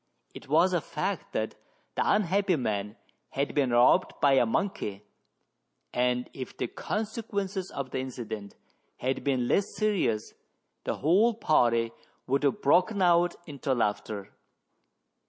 It was a fact that the unhappy man had been robbed by a monkey, and if the consequences of the incident had been less serious, the whole party would have broken out into laughter.